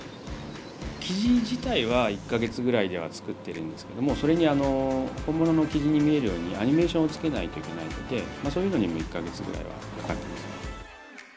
キジ自体は１か月ぐらいでは作ってるんですけどもそれに本物のキジに見えるようにアニメーションをつけないといけないのでそういうのにも１か月ぐらいはかかっています。